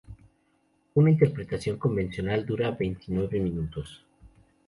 Una interpretación convencional dura veintinueve minutos.